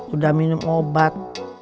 udah minum obat